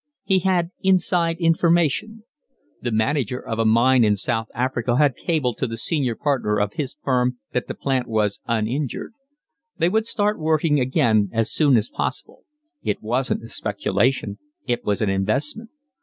He had inside information. The manager of a mine in South Africa had cabled to the senior partner of his firm that the plant was uninjured. They would start working again as soon as possible. It wasn't a speculation, it was an investment.